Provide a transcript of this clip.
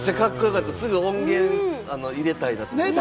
すぐ音源入れたいと思います。